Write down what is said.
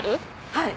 はい。